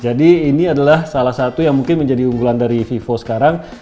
jadi ini adalah salah satu yang mungkin menjadi unggulan dari vivo sekarang